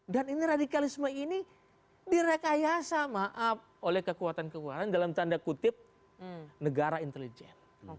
dan ini radikalisme ini direkayasa oleh kekuatan kekuatan dalam tanda kutip negara intelijen